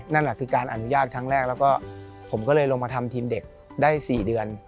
นั่นคือการอนุญาตครั้งแรกแล้วก็ผมก็เลยลงมาทำทีมเด็กได้๔เดือน